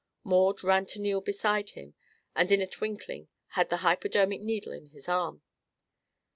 Maud ran to kneel beside him and in a twinkling had her hypodermic needle in his arm.